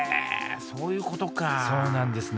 そういうことかそうなんですね